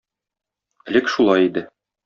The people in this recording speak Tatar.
Элек шулай иде.